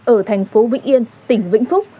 ở thành phố vĩ yên tỉnh vĩnh phúc